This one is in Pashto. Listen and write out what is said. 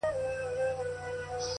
رب دي سپوږمۍ كه چي رڼا دي ووينمه ـ